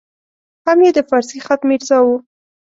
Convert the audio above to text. هم یې د فارسي خط میرزا وو.